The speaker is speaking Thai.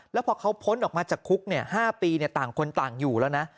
แล้วพอเขาพ้นออกมาจากคุก๕ปีต่างคนต่างอยู่แล้วนะ